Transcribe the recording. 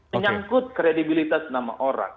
menyangkut kredibilitas nama orang